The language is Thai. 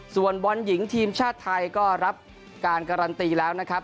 ส่วนบอลหญิงทีมชาติไทยก็รับการการันตีแล้วนะครับ